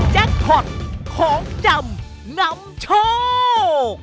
แจกท็อตของจำหนำโชค